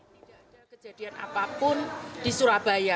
tidak ada kejadian apapun di surabaya